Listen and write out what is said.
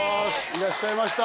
いらっしゃいました